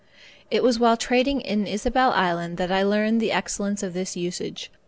It was while trading on Ysabel island that I learned the excellence of this usage.